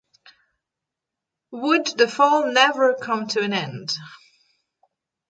Would the fall never come to an end?